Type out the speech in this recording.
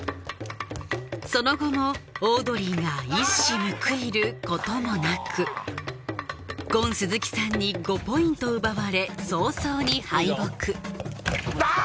その後もオードリーが一矢報いることもなくゴン鈴木さんに５ポイント奪われ早々に敗北あぁ！